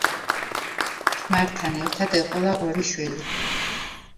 ქმართან ერთად ეყოლა ორი შვილი.